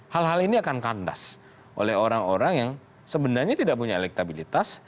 hal hal ini akan kandas oleh orang orang yang sebenarnya tidak punya elektabilitas